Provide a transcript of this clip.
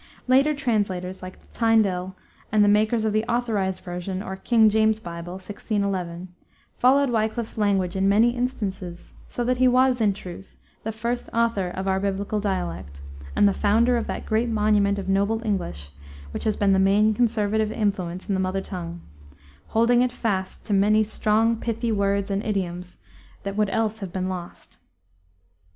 Later translators, like Tyndale and the makers of the Authorized Version, or "King James' Bible" (1611), followed Wiclif's language in many instances; so that he was, in truth, the first author of our biblical dialect and the founder of that great monument of noble English which has been the main conservative influence in the mother tongue, holding it fast to many strong, pithy words and idioms that would else have been lost.